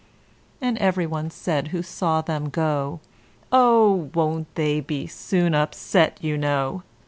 And every one said who saw them go, "Oh! won't they be soon upset, you know?